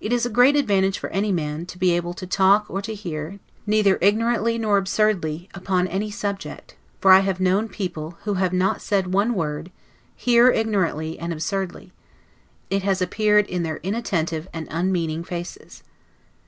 It is a great advantage for any man, to be able to talk or to hear, neither ignorantly nor absurdly, upon any subject; for I have known people, who have not said one word, hear ignorantly and absurdly; it has appeared in their inattentive and unmeaning faces.